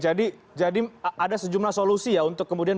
jadi ada sejumlah solusi ya untuk kemudian